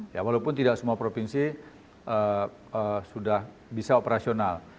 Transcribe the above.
ya walaupun tidak semua provinsi sudah bisa operasional